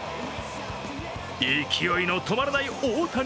勢いの止まらない大谷。